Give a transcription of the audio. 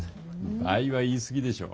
倍は言い過ぎでしょ。